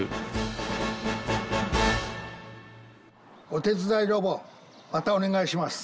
おてつだいロボまたおねがいします。